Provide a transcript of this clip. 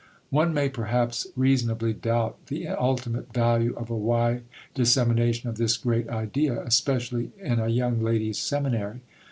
One may perhaps reasonably doubt the ultimate value of a wide dissemination of this great idea, especially in a young ladies' seminary.